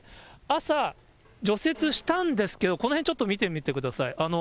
朝、除雪したんですけど、この辺ちょっと見てみてください。